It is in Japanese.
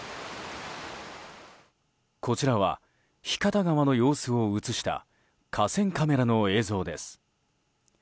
こちらは、日方川の様子を映した河川カメラの映像です。